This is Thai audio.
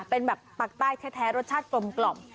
เป็นแบบปากใต้แท้รสชาติกลม